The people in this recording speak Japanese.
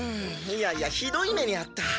いやいやひどい目に遭った。